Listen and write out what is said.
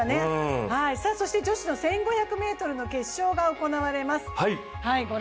女子の１５００ｍの決勝が行われます。